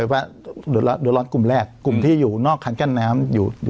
ว่าเดือดร้อนกลุ่มแรกกลุ่มที่อยู่นอกคันกั้นน้ำอยู่